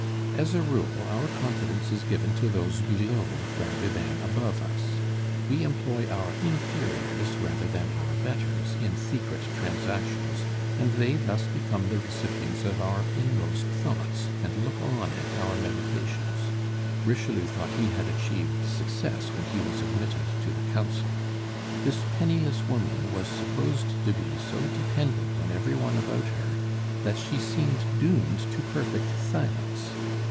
As a rule, our confidence is given to those below rather than above us. We employ our inferiors rather than our betters in secret transactions, and they thus become the recipients of our inmost thoughts, and look on at our meditations; Richelieu thought he had achieved success when he was admitted to the Council. This penniless woman was supposed to be so dependent on every one about her, that she seemed doomed to perfect silence.